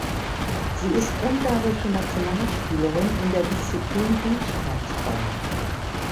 Sie ist ungarische Nationalspielerin in der Disziplin Beachhandball.